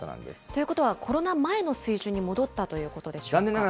ということはコロナ前の水準に戻ったということでしょうか。